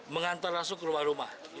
mengantar masuk ke rumah rumah